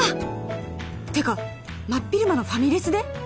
てか真っ昼間のファミレスで？